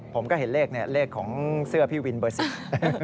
ผมก็เห็นเลขเนี่ยเลขของเสื้อพี่วินเบอร์สิบ